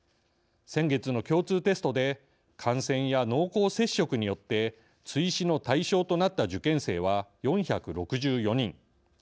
先月の共通テストで感染や濃厚接触によって追試の対象となった受験生は４６４人。